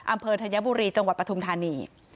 ธัญบุรีจังหวัดปฐุมธานี